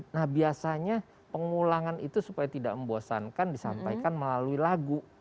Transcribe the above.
nah biasanya pengulangan itu supaya tidak membosankan disampaikan melalui lagu